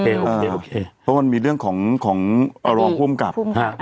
อ๋อโอเคเพราะมันมีเรื่องของรอพูดมกรับ